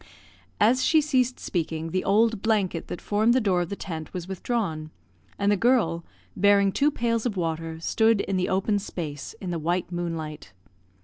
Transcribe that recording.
As she ceased speaking, the old blanket that formed the door of the tent was withdrawn, and the girl, bearing two pails of water, stood in the open space, in the white moonlight.